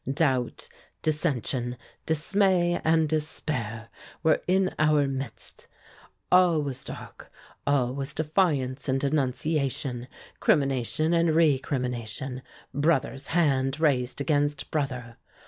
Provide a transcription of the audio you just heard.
Doubt, dissension, dismay and despair were in our midst. All was dark all was defiance and denunciation, crimination and recrimination brother's hand raised against brother.